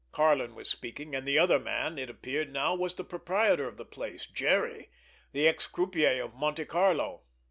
Karlin was speaking; and the other man, it appeared now, was the proprietor of the place, Jerry, the ex croupier of Monte Carlo.